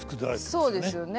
そうですよね。